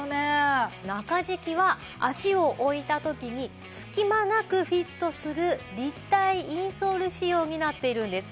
中敷きは足を置いた時に隙間なくフィットする立体インソール仕様になっているんです。